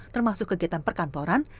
termasuk kegiatan perkantoran